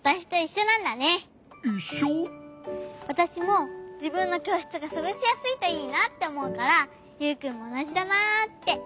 わたしもじぶんのきょうしつがすごしやすいといいなっておもうからユウくんもおなじだなって。